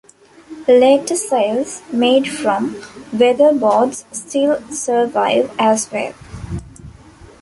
Later cells, made from weatherboards still survive as well.